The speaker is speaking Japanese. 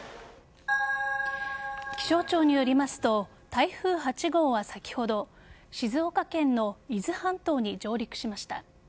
気象庁によりますと台風８号は先ほど静岡県の伊豆半島に上陸しました。